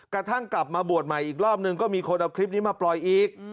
กระทั่งกลับมาบวชใหม่อีกรอบนึงก็มีคนเอาคลิปนี้มาปล่อยอีก